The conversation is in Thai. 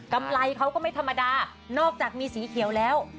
ำไรเขาก็ไม่ธรรมดานอกจากมีสีเขียวแล้ว